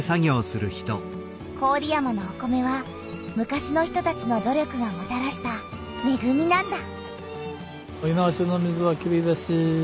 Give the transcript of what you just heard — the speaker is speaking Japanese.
郡山のお米は昔の人たちの努力がもたらしためぐみなんだ。